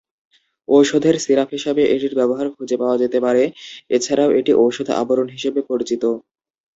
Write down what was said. ঔষধের সিরাপ হিসাবে এটির ব্যবহার খুঁজে পাওয়া যেতে পারে, এছাড়াও এটি ঔষধ আবরণ হিসাবে পরিচিত।